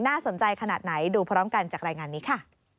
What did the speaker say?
น่าสนใจขนาดไหนดูพร้อมกันจากรายงานนี้ค่ะ